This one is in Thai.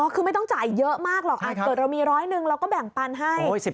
คือไม่ต้องจ่ายเยอะมากหรอกเกิดเรามีร้อยหนึ่งเราก็แบ่งปันให้